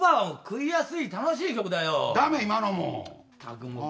まったくもう。